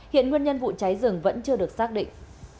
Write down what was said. hiện nguyên nhân vụ cháy rừng vẫn chưa được xác định